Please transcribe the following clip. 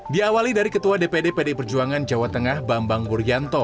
diawali dari ketua dpd pdi perjuangan jawa tengah bambang wuryanto